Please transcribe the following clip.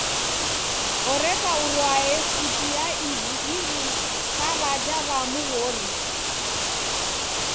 Oreka urwae suti ya ivu-ivu sa w'aja w'amu w'ori